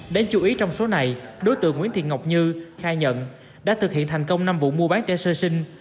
đáng chú ý trong số này đối tượng nguyễn thị ngọc như khai nhận đã thực hiện thành công năm vụ mua bán trẻ sơ sinh